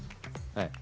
はい。